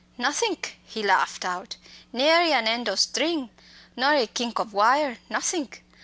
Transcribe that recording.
"Nothink!" he laughed out. "Nary an end o' string, nor a kink o' wire nothink.